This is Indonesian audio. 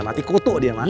mati kutuk dia mak